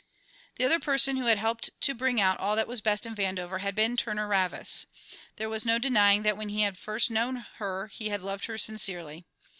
The other person who had helped to bring out all that was best in Vandover had been Turner Ravis. There was no denying that when he had first known her he had loved her sincerely.